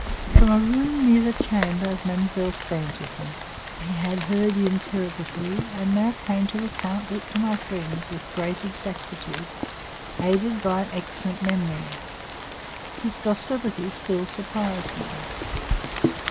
From a room near the chamber of Mademoiselle Stangerson, he had heard the interrogatory and now came to recount it to my friend with great exactitude, aided by an excellent memory. His docility still surprised me.